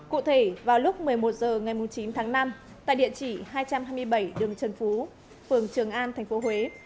cụ thể vào lúc một mươi một h ngày chín tháng năm tại địa chỉ hai trăm hai mươi bảy đường trần phú phường trường an tp huế